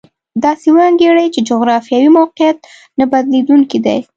داسې وانګېري چې جغرافیوي موقعیت نه بدلېدونکی دی.